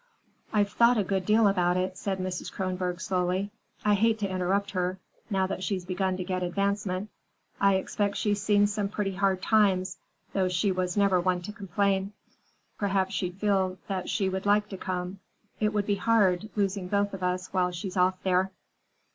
"I've thought a good deal about it," said Mrs. Kronborg slowly. "I hate to interrupt her, now that she's begun to get advancement. I expect she's seen some pretty hard times, though she was never one to complain. Perhaps she'd feel that she would like to come. It would be hard, losing both of us while she's off there."